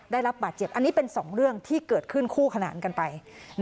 ได้รับบาดเจ็บอันนี้เป็นสองเรื่องที่เกิดขึ้นคู่ขนานกันไป